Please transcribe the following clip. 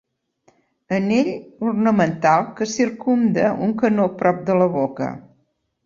Anell ornamental que circumda un canó prop de la boca.